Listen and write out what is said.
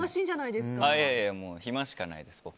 いやいや、暇しかないです僕。